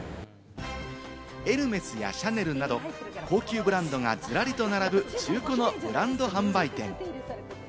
エルメスやシャネルなど、高級ブランドがずらりと並ぶ、中古のブランド販売店。